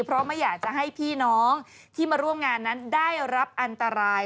เพราะไม่อยากจะให้พี่น้องที่มาร่วมงานนั้นได้รับอันตราย